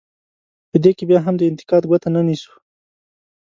په دې کې بیا هم د انتقاد ګوته نه نیسو.